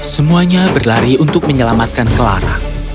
semuanya berlari untuk menyelamatkan clara